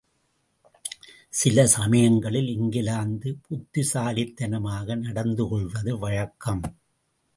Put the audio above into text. சில சமயங்களில் இங்கிலாந்து புத்திசாலித்தனமாக நடந்துகொள்வது வழக்கம்.